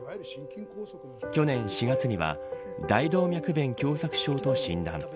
去年４月には大動脈弁狭窄症と診断。